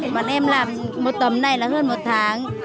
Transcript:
bọn em làm một tấm này là hơn một tháng